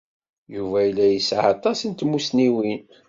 Yuba yella yesɛa aṭas n tmussniwin.